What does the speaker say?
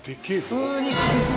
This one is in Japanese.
普通に。